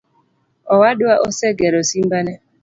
Owadwa osegero simba ne